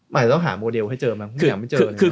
หมายถึงต้องหาโมเดลให้เจอมันไม่อยากจะเจอ